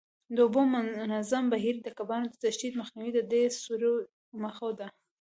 د اوبو منظم بهیر، د کبانو د تښتېدو مخنیوی د دې سوري موخه ده.